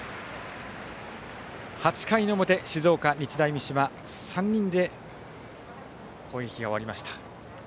８回の表、静岡・日大三島３人で攻撃が終わりました。